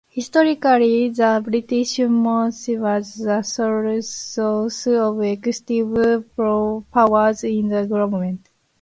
Historically, the British monarch was the sole source of executive powers in the government.